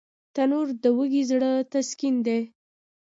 تنور د وږي زړه تسکین دی